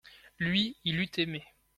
Lui, il eut aimé.